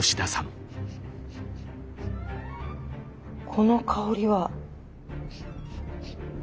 この香りは。